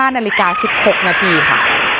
นาฬิกา๑๖นาทีค่ะ